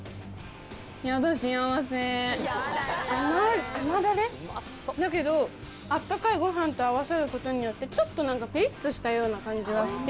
甘い甘ダレ？だけど温かいご飯と合わさることによってちょっと何かピリっとしたような感じがして。